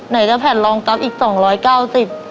ไหนก็แผ่นรองทรัพย์อีก๒๙๐บาท